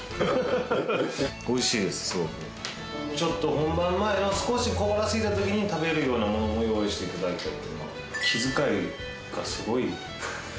本番前の少し小腹すいた時に食べるようなものを用意して頂いたりとか。